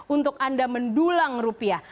untuk anda mendulang rupiah